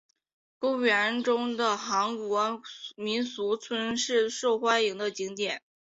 公园中的韩国民俗村是受欢迎的景点。